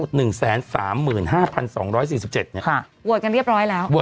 ค่ะโหวตกันเรียบร้อยแล้ว